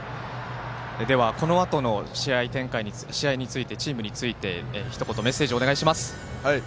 では、このあとの試合とチームについてひと言メッセージお願いします。